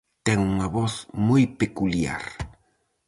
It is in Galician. Ten unha voz moi peculiar.